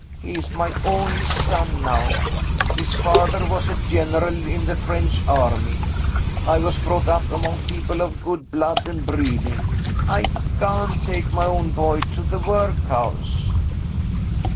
He is my only son now; his father was a General in the French army; I was brought up among people of good blood and breeding I can't take my own boy to the workhouse!"